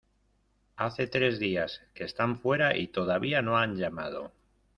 Hace tres días que están fuera y todavía no han llamado.